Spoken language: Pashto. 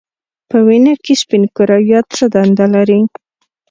په وینه کې سپین کرویات څه دنده لري